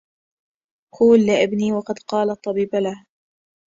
قول لابني وقد قال الطبيب له